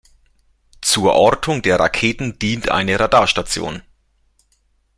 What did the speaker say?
Zur Ortung der Raketen dient eine Radarstation.